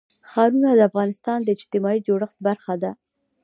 ښارونه د افغانستان د اجتماعي جوړښت برخه ده.